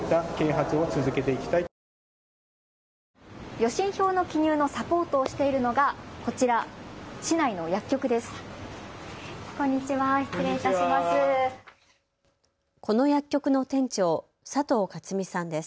予診票の記入のサポートをしているのがこちら、市内の薬局です。